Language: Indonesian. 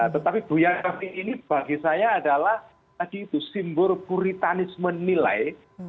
tetapi buya syafi'i ini bagi saya adalah simbol puritanisme nilai